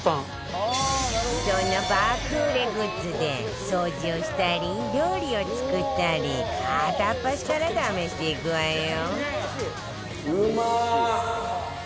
そんな爆売れグッズで掃除をしたり料理を作ったり片っ端から試していくわよ